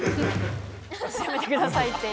やめてくださいっていう。